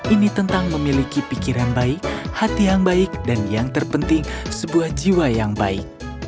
ini tentang memiliki pikiran baik hati yang baik dan yang terpenting sebuah jiwa yang baik